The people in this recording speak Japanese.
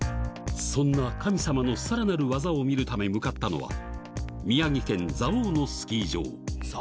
そんな神様のさらなる技を見るため向かったのは、宮城県蔵王のスキー場。